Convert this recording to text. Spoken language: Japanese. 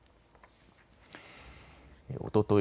おととい